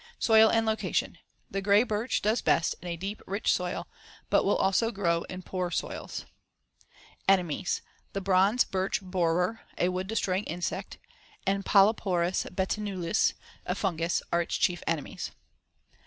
Soil and location: The gray birch does best in a deep, rich soil, but will also grow in poor soils. Enemies: The bronze birch borer, a wood destroying insect, and Polyporus betulinus, a fungus, are its chief enemies.